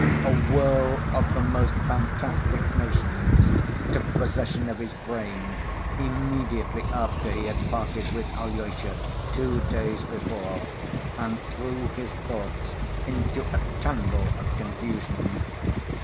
A whirl of the most fantastic notions took possession of his brain immediately after he had parted with Alyosha two days before, and threw his thoughts into a tangle of confusion.